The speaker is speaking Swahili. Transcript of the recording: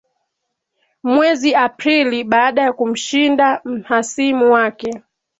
mwezi aprili baada ya kumshinda mhasimu wake